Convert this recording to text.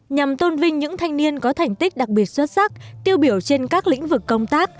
nhằm tôn vinh những thanh niên có thành tích đặc biệt xuất sắc tiêu biểu trên các lĩnh vực công tác